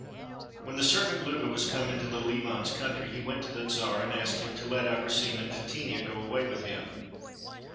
When the servant Luga was come into Little Ivan's country he went to the Czar and asked him to let Abrosim and Fetinia go away with him.